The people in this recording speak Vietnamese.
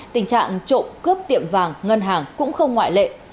tình trạng trộm cướp tiệm vàng ngân hàng cũng không ngoại lệ